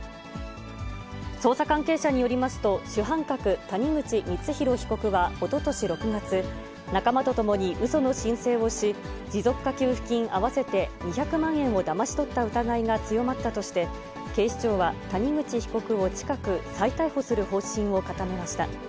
捜査関係者によりますと、主犯格、谷口光弘被告はおととし６月、仲間と共にうその申請をし、持続化給付金合わせて２００万円をだまし取った疑いが強まったとして、警視庁は谷口被告を近く、再逮捕する方針を固めました。